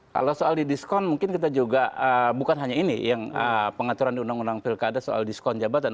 kalau soal di diskon mungkin kita juga bukan hanya ini yang pengaturan di undang undang pilkada soal diskon jabatan